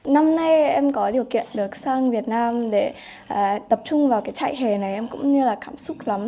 năm nay em có điều kiện được sang việt nam để tập trung vào cái trại hè này em cũng như là cảm xúc lắm